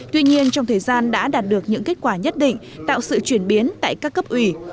tuy nhiên trong thời gian đã đạt được những kết quả nhất định tạo sự chuyển biến tại các cấp ủy